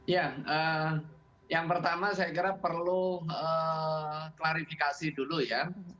ya yang pertama saya kira perlu klarifikasi dulu ya